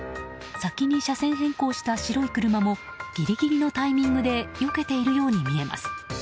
先に車線変更した白い車もギリギリのタイミングでよけているように見えます。